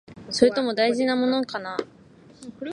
それとも、大事なものかな？